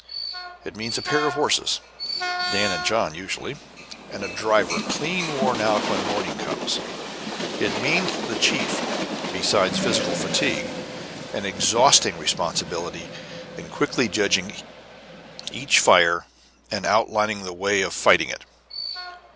It means a pair of horses (Dan and John, usually) and driver clean worn out when morning comes. And it means to the chief, besides physical fatigue, an exhausting responsibility in quickly judging each fire and outlining the way of fighting it.